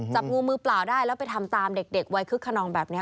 จับงูมือเปล่าได้แล้วไปทำตามเด็กวัยคึกขนองแบบนี้